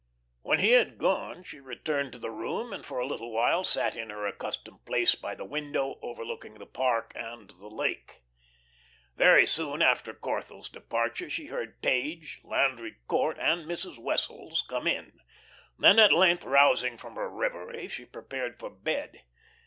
When he had gone she returned to the room, and for a little while sat in her accustomed place by the window overlooking the park and the lake. Very soon after Corthell's departure she heard Page, Landry Court, and Mrs. Wessels come in; then at length rousing from her reverie she prepared for bed.